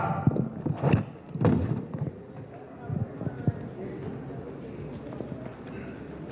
sekarang saya akan membaca paragraf